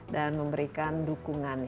dan memberikan dukungan